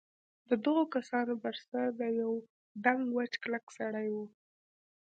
د دغو کسانو بر سر ته یوه دنګ وچ کلک سړي و.